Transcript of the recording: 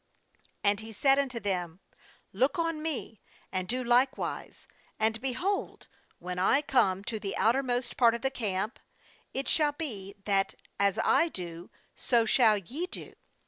17And he said unto them: 'Look on me, and do likewise; and, behold, when I come to the outermost part of the camp, it shall be that, as I do, so shall ye do.